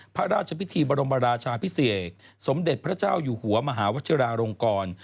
พระราชพิธีบรมราชาพิเศษสมเด็จพระเจ้าอยู่หัวมหาวชิราลงกร